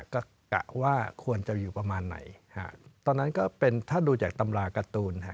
ก็กะว่าควรจะอยู่ประมาณไหนฮะตอนนั้นก็เป็นถ้าดูจากตำราการ์ตูนฮะ